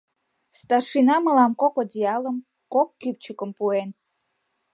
Старшина мылам кок одеялым, кок кӱпчыкым пуэн.